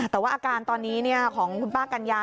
แต่ว่าอาการตอนนี้ของคุณป้ากัญญา